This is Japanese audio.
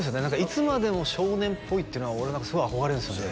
いつまでも少年っぽいってのは俺は何かすごい憧れるんですよね